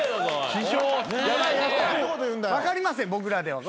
分かりません僕らでは。